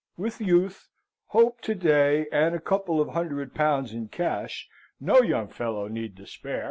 With youth, hope, to day, and a couple of hundred pounds in cash no young fellow need despair.